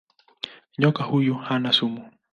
Nyoka huyu hana sumu.